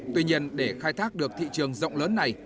tuy nhiên để khai thác được thị trường rộng lớn này